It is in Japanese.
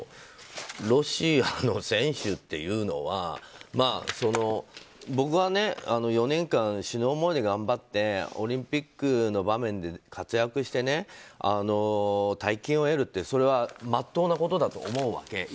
ロシアの選手っていうのは僕はね４年間、死ぬ思いで頑張ってオリンピックの場面で活躍して大金を得るって、それはまっとうなことだと思うわけ。